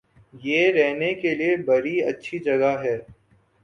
یہ رہنے کےلئے بڑی اچھی جگہ ہے